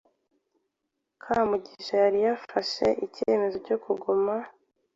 Kamugisha yari yafashe icyemezo cyo kuguma.